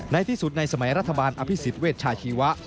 ในที่สุดในสมัยรัฐบาลอภิษฎเวชชาชีวะ